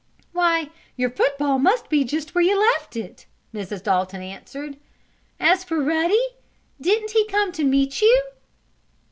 "Why, your football must be just where you left it," Mrs. Dalton answered. "As for Ruddy, didn't he come to meet you?"